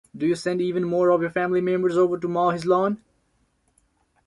Do you send even more of your family members over to mow his lawn?